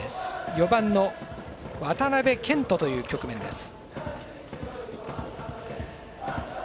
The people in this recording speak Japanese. ４番の渡部健人という局面です。